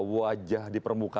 wajah di permukaan